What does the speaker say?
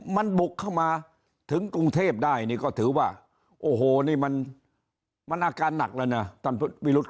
มันบุกเข้ามาถึงกรุงเทพได้นี่ก็ถือว่าโอ้โหนี่มันอาการหนักแล้วนะท่านวิรุธ